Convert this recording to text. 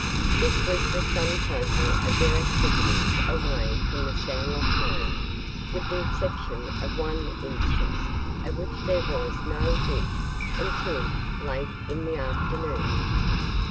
This was the sum total of their activities away from the Stanlock home, with the exception of one instance, of which there was no hint until late in the afternoon.